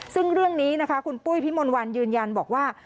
ซึ่งเรื่องนี้นะคะคุณปุ้ยพี่มนต์วันยืนยันบอกว่า